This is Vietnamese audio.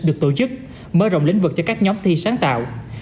được tổ chức mở rộng lĩnh vực cho các nhóm thi sáng tạo